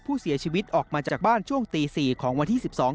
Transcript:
ผู้เสียชีวิตออกมาจากบ้านช่วงตี๔ของวันที่๑๒